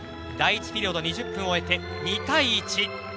第１ピリオド２０分を終えて２対１。